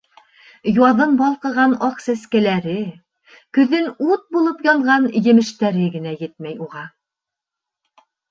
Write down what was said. Яҙын балҡыған аҡ сәскәләре, көҙөн ут булып янған емештәре генә етмәй уға.